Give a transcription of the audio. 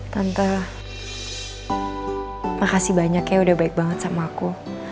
tante makasih banyak ya udah baik banget sama aku